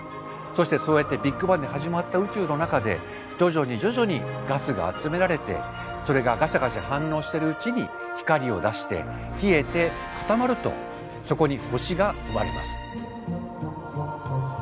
そしてそうやってビッグバンで始まった宇宙の中で徐々に徐々にガスが集められてそれがガシャガシャ反応してるうちに光を出して冷えて固まるとそこに星が生まれます。